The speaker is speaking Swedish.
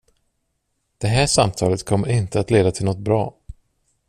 Det här samtalet kommer inte att leda till något bra.